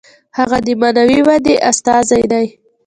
هغه د معنوي ودې استازی دی.